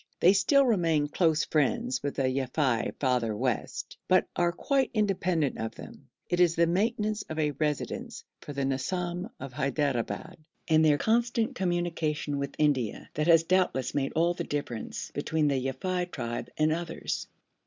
They still remain close friends with the Yafei farther west, but are quite independent of them. It is the maintenance of a residence for the Nizam of Hyderabad, and their constant communication with India, that has doubtless made all the difference between the Yafei tribe and others.